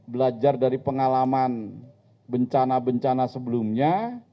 belajar dari pengalaman bencana bencana sebelumnya